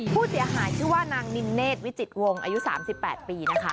ผู้เสียหายชื่อว่านางนินเนธวิจิตวงอายุ๓๘ปีนะคะ